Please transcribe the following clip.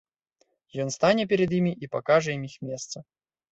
Ён стане перад імі і пакажа ім іх месца.